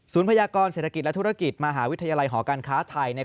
พยากรเศรษฐกิจและธุรกิจมหาวิทยาลัยหอการค้าไทย